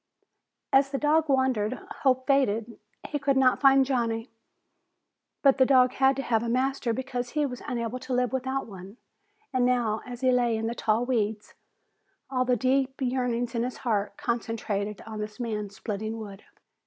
As the dog wandered, hope faded. He could not find Johnny. But the dog had to have a master because he was unable to live without one, and now, as he lay in the tall weeds, all the deep yearnings in his heart concentrated on this man splitting wood.